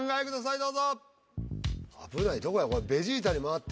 どうぞ。